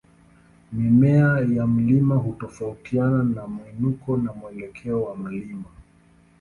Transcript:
Mimea ya mlima hutofautiana na mwinuko na mwelekeo wa mlima.